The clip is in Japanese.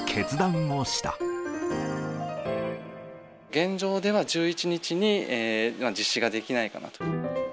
現状では、１１日に実施ができないかなと。